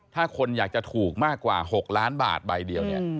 ถ้าคนอยากจะถูกมากกว่า๖ล้านบาทใบเดียวเนี่ย